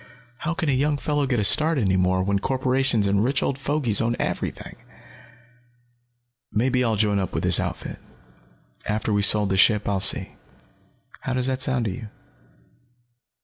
How can a young fellow get a start any more, when corporations and rich old fogies own everything? "Maybe I'll join up with this outfit. After we've sold the ship I'll see. How does that sound to you?"